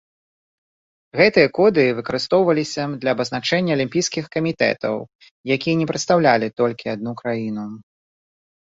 Гэтыя коды выкарыстоўваліся для абазначэння алімпійскіх камітэтаў, якія не прадстаўлялі толькі адну краіну.